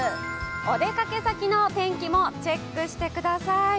お出かけ先の天気もチェックしてください。